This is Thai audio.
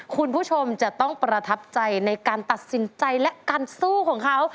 คุณผู้ชมจะต้องประทับใจในการตัดสินใจและการสู้ของเขา